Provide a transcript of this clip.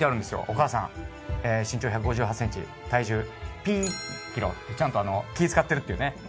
お母さん身長１５８ｃｍ体重ピーｋｇってちゃんと気使ってるっていうね